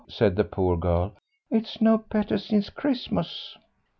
said the poor girl. "It is no better since Christmas."